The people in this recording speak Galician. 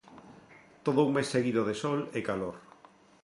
Todo un mes seguido de sol e calor.